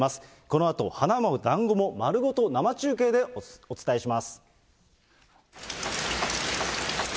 このあと、花も団子も丸ごと生中継でお伝えします。